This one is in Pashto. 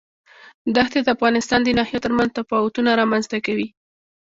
دښتې د افغانستان د ناحیو ترمنځ تفاوتونه رامنځ ته کوي.